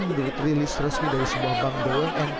menurut rilis resmi dari sebuah bank bumn